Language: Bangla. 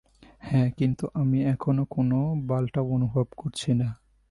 হ্যাঁ, কিন্তু আমি এখনো কোন বালটাও অনুভব করছি না।